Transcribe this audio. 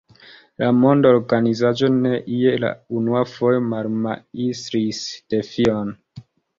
La mondorganizaĵo ne je la unua fojo malmajstris defion.